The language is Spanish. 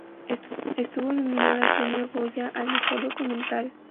Estuvo nominada al Premio Goya al mejor documental.